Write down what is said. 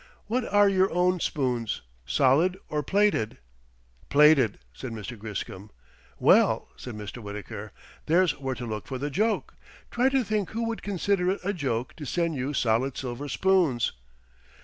What are your own spoons, solid or plated?" "Plated," said Mr. Griscom. "Well," said Mr. Wittaker, "there's where to look for the joke. Try to think who would consider it a joke to send you solid silver spoons."